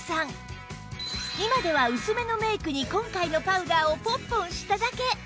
今では薄めのメイクに今回のパウダーをポンポンしただけ！